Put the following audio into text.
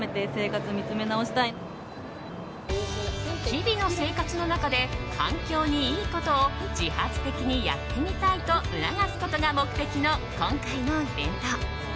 日々の生活の中で環境にいいことを自発的にやってみたいと促すことが目的の今回のイベント。